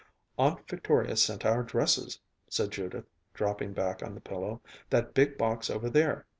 "Aunt Victoria sent our dresses," said Judith, dropping back on the pillow. "That big box over there.